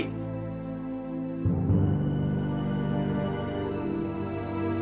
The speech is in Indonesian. kamu ada di sini wi